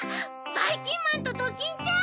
ばいきんまんとドキンちゃん！